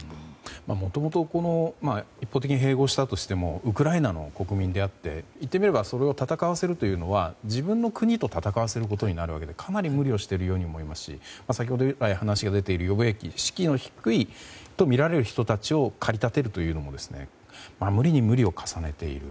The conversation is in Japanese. もともと一方的に併合したとしてもウクライナの国民であって言ってみればそれを戦わせるというのは自分の国と戦わせることになるわけでかなり無理をしているように思いますし先ほどから話が出ている予備役士気の低いとみられる人たちを駆り立てるというのも無理に無理を重ねている。